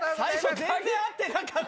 全然合ってなかった。